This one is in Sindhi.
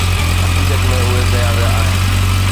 حقيقت ۾ اهي ڪيا ويا آهن.